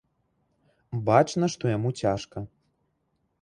Бачна, што яму цяжка.